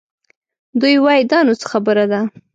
دوی وايي دا نو څه خبره ده؟